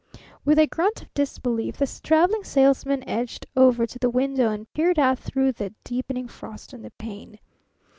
With a grunt of disbelief the Traveling Salesman edged over to the window and peered out through the deepening frost on the pane.